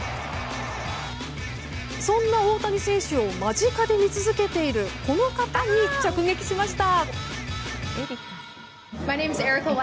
そんな大谷選手を間近で見続けているこの方に直撃しました。